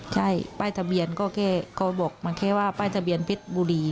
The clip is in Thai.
ใช่ป้ายทะเบียนก็แค่เขาบอกมันแค่ว่าป้ายทะเบียนเพชรบุรี